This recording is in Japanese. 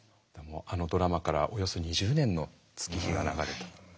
あのドラマからおよそ２０年の月日が流れた。